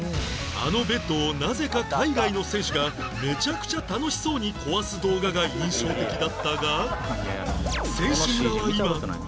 あのベッドをなぜか海外の選手がめちゃくちゃ楽しそうに壊す動画が印象的だったが